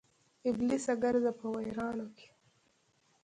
ابلیسه ګرځه په ویرانو کې